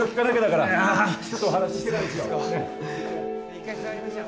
一回座りましょう。